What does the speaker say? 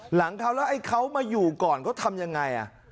หลังเขาแล้วไอ้เขามาอยู่ก่อนเขาทำยังไง